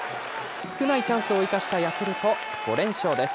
少ないチャンスを生かしたヤクルト、５連勝です。